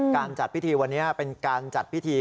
การจัดพิธีวันนี้เป็นการจัดพิธี